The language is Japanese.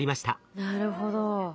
なるほど。